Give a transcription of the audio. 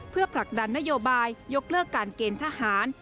เพื่อผลักดันนโยบายยกเลิกการเกณฑ์ทหาร